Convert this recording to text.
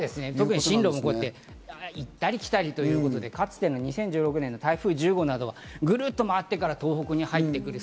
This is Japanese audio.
進路も行ったり来たりということで、２０１６年の台風１０号などは、ぐるっと回ってから東北に入ってくる。